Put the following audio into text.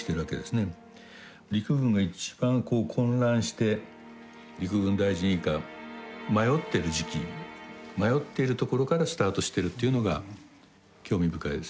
陸軍が一番こう混乱して陸軍大臣以下迷ってる時期迷っているところからスタートしてるというのが興味深いですねやはり。